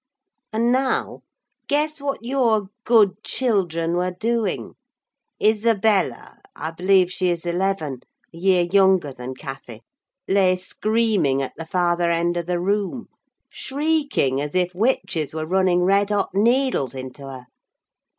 And now, guess what your good children were doing? Isabella—I believe she is eleven, a year younger than Cathy—lay screaming at the farther end of the room, shrieking as if witches were running red hot needles into her.